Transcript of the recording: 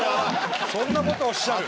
そんな事おっしゃる。